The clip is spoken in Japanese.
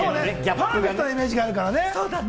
パーフェクトなイメージがあるからね。